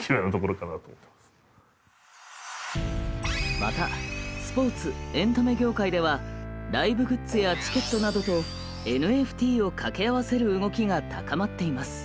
またスポーツ・エンタメ業界ではＬｉｖｅグッズやチケットなどとＮＦＴを掛け合わせる動きが高まっています。